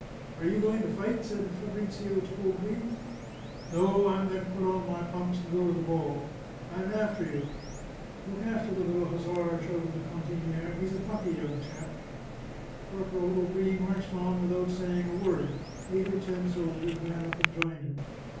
" Are you going to fight ?" said Fabrizio to Aubry. " No ; I'm going to put on my pumps and go to the ball." " I'm after you." " Look after the little hussar," shouted the cantinihe ;" he's a plucky young chap." Corporal Aubry marched on without saying a word; eight or ten soldiers ran up and joined him.